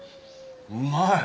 うまい！